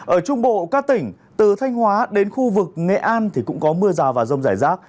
ở trung bộ các tỉnh từ thanh hóa đến khu vực nghệ an thì cũng có mưa rào và rông rải rác